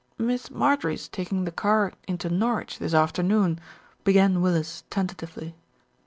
"Miss Marjorie's taking the car into Norwich this afternoon," began Willis tentatively.